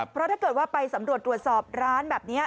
เพราะถ้าเกิดว่าไปสำรวจตรวจสอบร้านแบบนี้